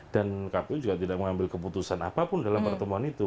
dan kpu juga tidak mengambil keputusan apapun dalam pertemuan itu